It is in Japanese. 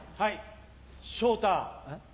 昇太